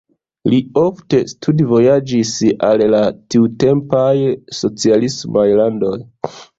Li ofte studvojaĝis al la tiutempaj socialismaj landoj.